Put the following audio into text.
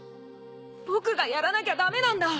僕がやらなきゃダメなんだ！